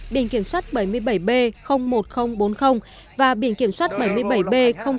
biển kiểm soát bảy mươi bảy b một nghìn bốn mươi và biển kiểm soát bảy mươi bảy b chín trăm ba mươi tám